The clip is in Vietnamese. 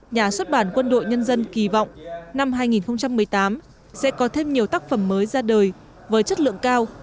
nhà xuất bản quân đội nhân dân kỳ vọng năm hai nghìn một mươi tám sẽ có thêm nhiều tác phẩm mới ra đời với chất lượng cao